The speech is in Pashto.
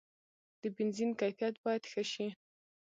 د بنزین کیفیت باید ښه شي.